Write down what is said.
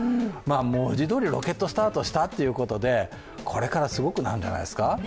文字どおりロケットスタートしたということでこれからすごくなるんじゃないですか。